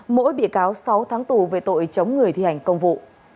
mỗi bị cáo sáu tháng tù về tội chống người thi hành công vụ